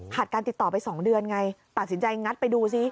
การติดต่อไป๒เดือนไงตัดสินใจงัดไปดูซิ